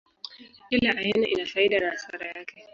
Kila aina ina faida na hasara yake.